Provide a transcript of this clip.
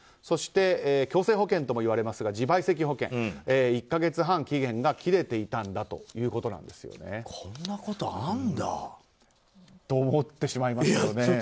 そして強制保険ともいわれますが自賠責保険１か月半期限が切れていたということです。と思ってしまいますよね。